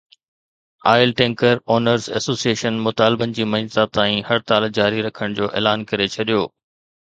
oil tanker owners association مطالبن جي مڃتا تائين هڙتال جاري رکڻ جو اعلان ڪري ڇڏيو